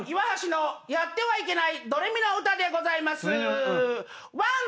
岩橋のやってはいけないドレミの歌でございます。